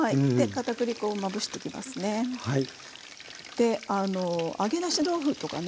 で揚げ出し豆腐とかね